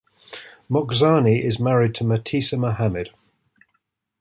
Mokhzani is married to Mastisa Mohamed.